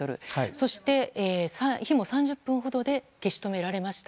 そして、火も３０分ほどで消し止められました。